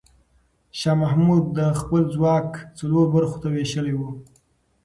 شاه محمود خپل ځواک څلور برخو ته وېشلی و.